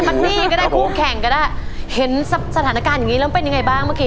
มันนี่ก็ได้คู่แข่งก็ได้เห็นสถานการณ์อย่างนี้แล้วเป็นยังไงบ้างเมื่อกี้